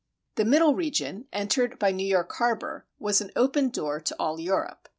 The Middle region, entered by New York harbor, was an open door to all Europe.